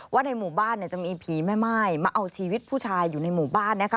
ว่าในหมู่บ้านเนี่ยจะมีผีแม่ม่ายมาเอาชีวิตผู้ชายอยู่ในหมู่บ้านนะคะ